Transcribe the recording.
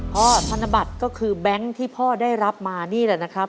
ธนบัตรก็คือแบงค์ที่พ่อได้รับมานี่แหละนะครับ